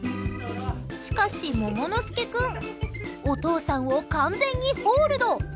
しかし、もものすけ君お父さんを完全にホールド。